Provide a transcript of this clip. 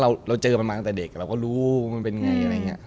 เราเจอมันมาตั้งแต่เด็กเราก็รู้มันเป็นไงอะไรอย่างนี้